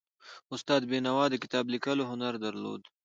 استاد بینوا د کتاب لیکلو هنر درلود.